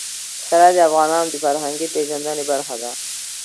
پسرلی د افغانانو د فرهنګي پیژندنې برخه ده.